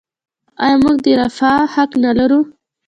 آیا موږ د رفاه حق نلرو؟